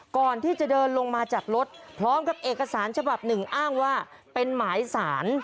ก่อนที่จะเดินลงมาจากรถพร้อมกับเอกสารฉบับหนึ่งอ้างว่าเป็นหมายสาร